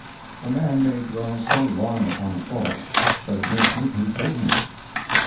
A Man may dwell so long upon a Thought, that it may take him Prisoner.